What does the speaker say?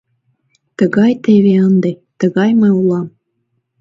Тыгай теве ынде, тыгай мый улам.